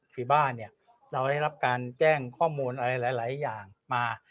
ที่บ้านเนี่ยเราได้รับการแจ้งข้อมูลอะไรหลายอย่างมา